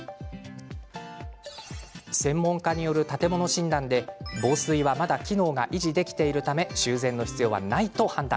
専門家による建物診断で防水はまだ機能が維持できているため修繕の必要はないと判断。